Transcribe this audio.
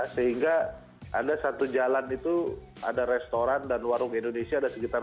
sehingga ada satu jalan itu ada restoran dan warung indonesia ada sekitar